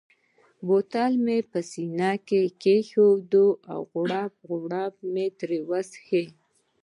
بوتل مې پر سینه کښېښود او په غوړپ غوړپ مې ترې څښل.